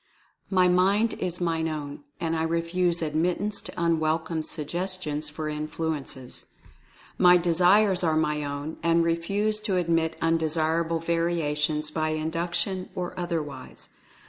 My Mind is mine own, and I refuse admittance to unwelcome sugges tions for influences. My Desires are my own, and refuse to admit undesirable vibrations by Induction or otherwise.